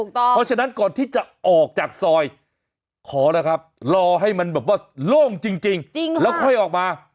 เพราะฉะนั้นก่อนที่จะออกจากซอยขอแล้วครับรอให้มันแบบว่าโล่งจริงแล้วค่อยออกมา